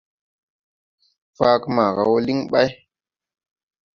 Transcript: Faage maga wɔ liŋ ɓay.